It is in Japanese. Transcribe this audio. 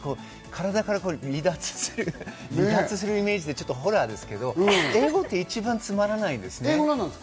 体だから離脱するイメージで、ホラーですけど、英語って一番つまらないですね。